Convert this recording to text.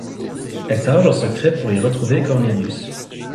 Elle s'arrange en secret pour y retrouver Cornelius.